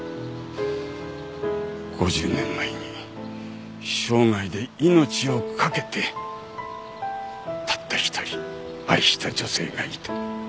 ５０年前に生涯で命を懸けてたった一人愛した女性がいた。